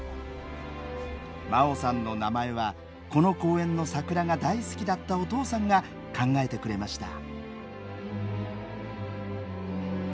真桜さんの名前はこの公園の桜が大好きだったお父さんが考えてくれました。